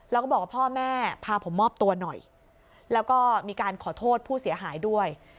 แล้วก็บอกว่าพ่อแม่พาผมมอบตัวหน่อยแล้วก็มีการขอโทษผู้เสียหายด้วย